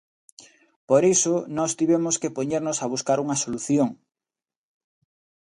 Por iso nós tivemos que poñernos a buscar unha solución.